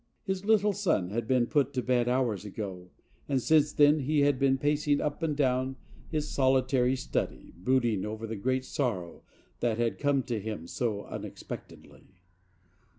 His little son had been put to bed hours ago, and since then he had been pacing up and down his solitary study, brooding over the great sorrow that had come to him so unexpectedly.